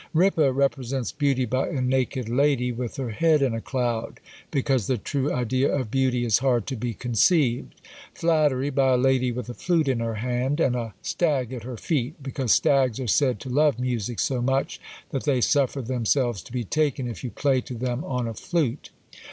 Ripa represents Beauty by a naked lady, with her head in a cloud; because the true idea of beauty is hard to be conceived! Flattery, by a lady with a flute in her hand, and a stag at her feet; because stags are said to love music so much, that they suffer themselves to be taken, if you play to them on a flute.